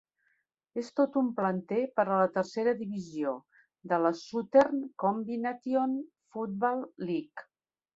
És tot un planter per a la tercera divisió de la Southern Combination Football League.